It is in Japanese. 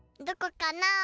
どこかな？